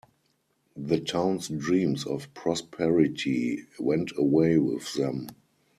The town's dreams of prosperity went away with them.